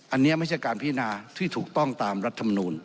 อันนี้ไม่ใช่การพินาที่ถูกต้องตามรัฐมนูล